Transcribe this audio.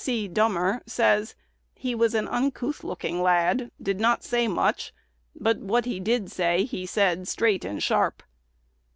C. Dummer, says, "He was an uncouth looking lad, did not say much, but what he did say he said straight and sharp."